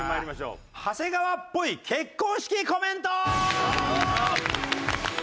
長谷川っぽい結婚式コメント！